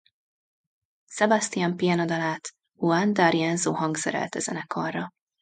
Sebastián Piana dalát Juan D’Arienzo hangszerelte zenekarra.